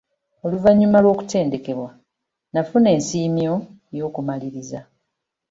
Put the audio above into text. Oluvannyuma lw'okutendekebwa, nafuna ensiimyo y'okumaliriza.